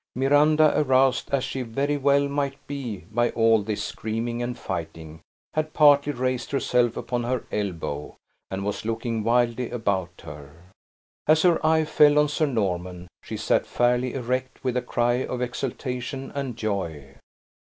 Miranda, aroused, as she very well might be by all this screaming and fighting, had partly raised herself upon her elbow, and was looking wildly about her. As her eye fell on Sir Norman, she sat fairly erect, with a cry of exultation and joy.